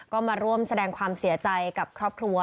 ก็มาร่วมแสดงความเสียใจกับครอบครัว